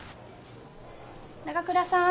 ・長倉さん。